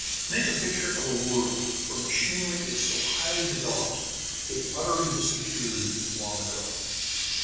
Make a picture of a world where machinery is so highly developed it utterly disappeared long ago.